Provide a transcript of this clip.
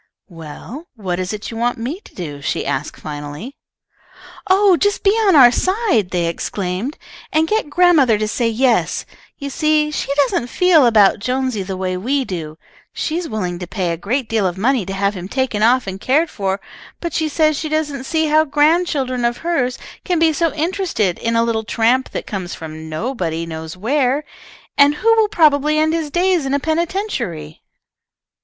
"Well, what is it you want me to do?" she asked, finally. "Oh, just be on our side!" they exclaimed, "and get grandmother to say yes. You see she doesn't feel about Jonesy the way we do. She is willing to pay a great deal of money to have him taken off and cared for, but she says she doesn't see how grandchildren of hers can be so interested in a little tramp that comes from nobody knows where, and who will probably end his days in a penitentiary."